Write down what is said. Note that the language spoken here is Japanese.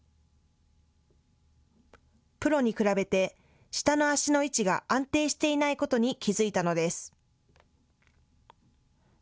プロに比べて下の足の位置が安定していないことに気付いたのです。